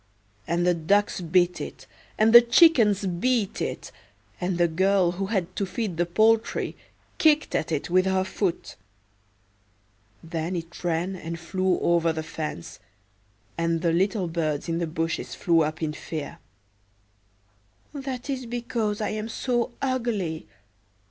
And the ducks bit it, and the chickens beat it, and the girl who had to feed the poultry kicked at it with her foot. Then it ran and flew over the fence, and the little birds in the bushes flew up in fear."That is because I am so ugly!"